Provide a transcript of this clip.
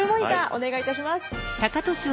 お願いいたします。